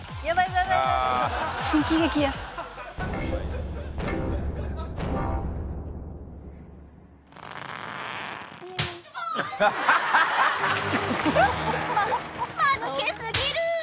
ままぬけすぎる！